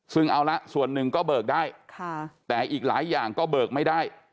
ซึ่งเอาละส่วนหนึ่งก็เบิกได้แต่อีกหลายอย่างก็เบิกไม่ได้